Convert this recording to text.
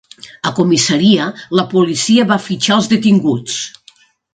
A comissaria, la policia va fitxar els detinguts.